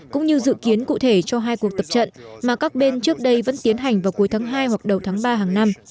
cũng như dự kiến cụ thể cho hai cuộc tập trận mà các bên trước đây vẫn tiến hành vào cuối tháng hai hoặc đầu tháng ba hàng năm